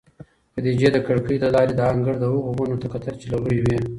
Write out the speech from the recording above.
خدیجې د کړکۍ له لارې د انګړ هغو ونو ته کتل چې لغړې وې.